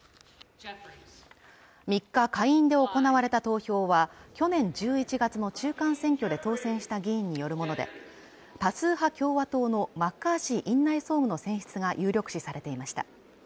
３日下院で行われた投票は去年１１月の中間選挙で当選した議員によるもので多数派共和党のマッカーシー院内総務の選出が有力視されていました